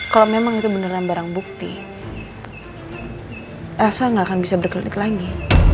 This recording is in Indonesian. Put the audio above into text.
kalau memang itu beneran barang bukti elsa gak akan bisa berkelit lagi